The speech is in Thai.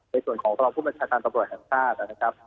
ในส่วนของรองผู้บัญชาการตำรวจแห่งชาตินะครับ